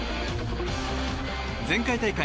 前回大会